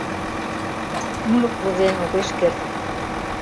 Ӱлык возен огеш керт.